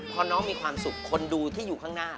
พอน้องมีความสุขคนดูที่อยู่ข้างหน้า